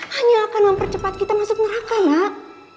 hanya akan mempercepat kita masuk neraka nak